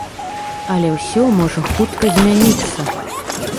Але ўсё можа хутка змяніцца.